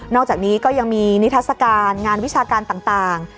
อกจากนี้ก็ยังมีนิทัศกาลงานวิชาการต่าง